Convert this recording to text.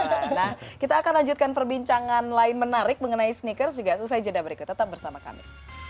nah kita akan lanjutkan perbincangan lain menarik mengenai sneakers juga selesai jeda berikut tetap bersama kami